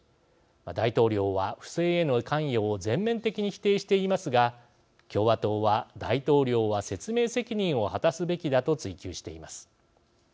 大統領は不正への関与を全面的に否定していますが共和党は、大統領は説明責任を果たすべきだ、と追及しています。